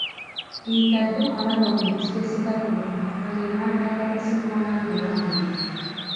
In tat də malaka məs dide səka dələf maɓanbi man aka əsən walangla namə.